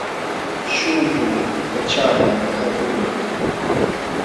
Shumpum pachaaman laqakulqun.